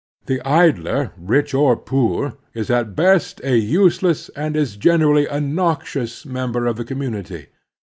The idler, rich or poor, is at best a use less and is generally a noxious member of the com munity.